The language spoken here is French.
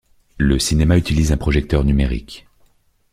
Le cinéma utilise un projecteur numérique.